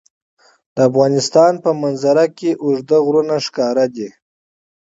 د افغانستان په منظره کې اوږده غرونه ښکاره ده.